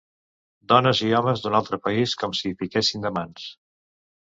Dones i homes d'un altre país com si piquessin de mans